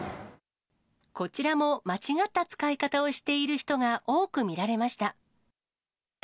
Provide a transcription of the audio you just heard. こちらも間違った使い方をしている人が多く見られました。